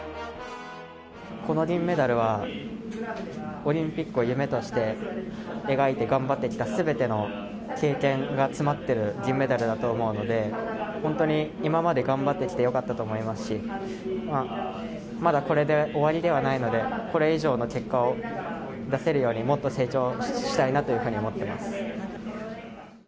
この銀メダルは、オリンピックを夢として描いて頑張ってきたすべての経験が詰まってる銀メダルだと思うので、本当に今まで頑張ってきてよかったと思いますし、まだこれで終わりではないので、これ以上の結果を出せるように、もっと成長したいなっていうふうに思っています。